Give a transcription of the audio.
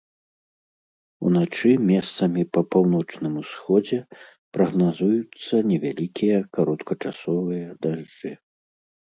Уначы месцамі па паўночным усходзе прагназуюцца невялікія кароткачасовыя дажджы.